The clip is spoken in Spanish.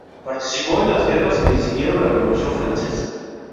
Participó en las guerras que siguieron a la Revolución francesa.